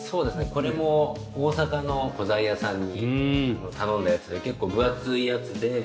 これも大阪の古材屋さんに頼んだやつで結構分厚いやつで。